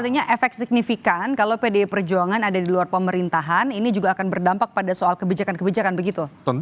artinya efek signifikan kalau pdi perjuangan ada di luar pemerintahan ini juga akan berdampak pada soal kebijakan kebijakan begitu